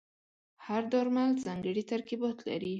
هر درمل ځانګړي ترکیبات لري.